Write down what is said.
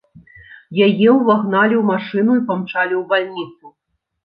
Яе ўвагналі ў машыну і памчалі ў бальніцу.